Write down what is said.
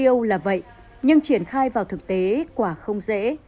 ý tưởng mục tiêu là vậy nhưng triển khai vào thực tế quả không dễ